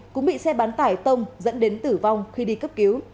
cũng bị xe bán tải tông dẫn đến tử vong khi đi cấp cứu